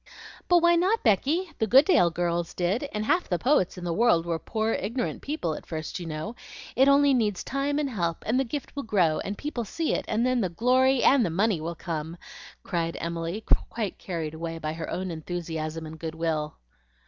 "But why not, Becky? The Goodale girls did, and half the poets in the world were poor, ignorant people at first, you know. It only needs time and help, and the gift will grow, and people see it; and then the glory and the money will come," cried Emily, quite carried away by her own enthusiasm and good will.